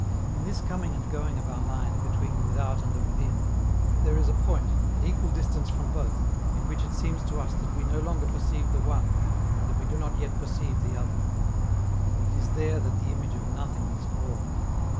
In this coming and going of our mind between the without and the within, there is a point, at equal distance from both, in which it seems to us that we no longer perceive the one, and that we do not yet perceive the other: it is there that the image of "Nothing" is formed.